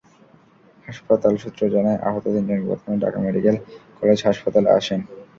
হাসপাতাল সূত্র জানায়, আহত তিনজন প্রথমে ঢাকা মেডিকেল কলেজ হাসপাতালে আসেন।